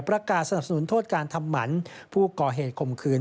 สนับสนุนโทษการทำหมันผู้ก่อเหตุข่มขืน